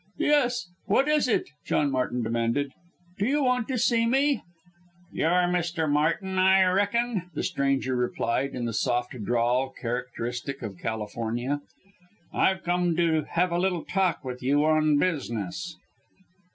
"Yes what is it?" John Martin demanded. "Do you want to see me?" "You're Mr. Martin, I reckon!" the stranger replied in the soft drawl, characteristic of California. "I've come to have a little talk with you on business."